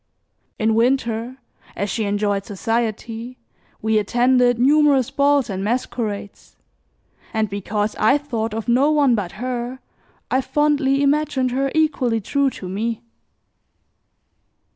In winter, as she enjoyed society, we attended numerous balls and masquerades, and because I thought of no one but her I fondly imagined her equally true to me.